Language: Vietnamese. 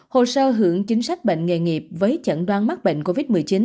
hồ sơ hưởng chính sách bệnh nghề nghiệp với chẩn đoán mắc bệnh covid một mươi chín